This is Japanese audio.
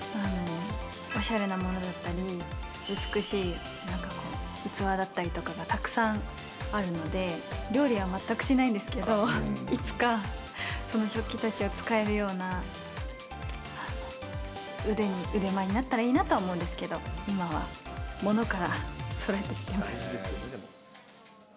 おしゃれなものだったり、美しい、なんかこう、器だったりとかがたくさんあるので、料理は全くしないんですけど、いつか、その食器たちを使えるような腕前になったらいいなと思うんですけど、今は、ものからそろえていってます。